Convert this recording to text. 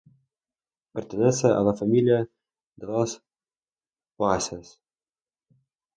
Pertenece a la familia de las poáceas.